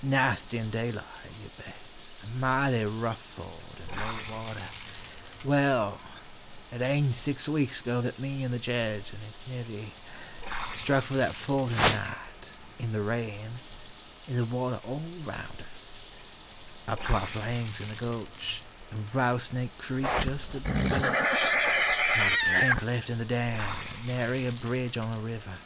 Nasty in daylight, you bet, and a mighty rough ford in low water! Well, it ain't six weeks ago that me and the Jedge, and "his nevey, Struck for that ford in the night, in the rain, and the water all round us; Up to our flanks in the gulch, and Rattlesnake Creek just a bilin'. ANIMATE NATURE. 373 Not a plank left in the dam, and nary a bridge on the river.